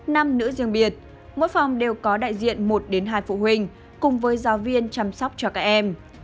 năm nữ riêng biệt mỗi phòng đều có đại diện một hai phụ huynh cùng với giáo viên chăm sóc cho các em